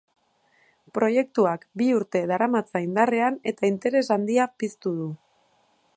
Proiektuak bi urte daramatza indarrean eta interes handia piztu du.